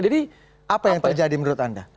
jadi apa yang terjadi menurut anda